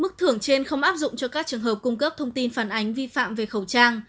mức thưởng trên không áp dụng cho các trường hợp cung cấp thông tin phản ánh vi phạm về khẩu trang